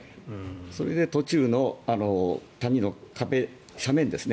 それで、途中の谷の壁斜面ですね